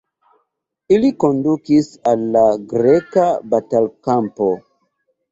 Ili kondukis al la greka batalkampo.